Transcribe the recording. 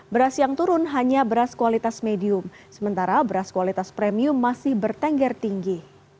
beras yang turun hanya beras kualitas medium sementara beras kualitas premium masih bertengger tinggi